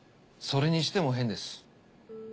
それにしても変です。